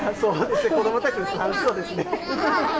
子どもたちも楽しそうですね。